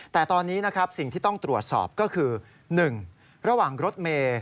แต่ตอนนี้นะครับสิ่งที่ต้องตรวจสอบก็คือ๑ระหว่างรถเมย์